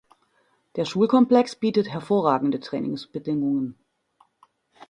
Der Schulkomplex bietet hervorragende Trainingsbedingungen.